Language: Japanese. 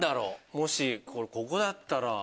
もしここだったら。